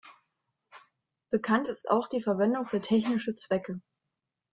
Bekannt ist auch die Verwendung für technische Zwecke.